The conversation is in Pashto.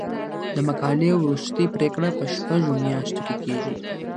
د مقالې وروستۍ پریکړه په شپږو میاشتو کې کیږي.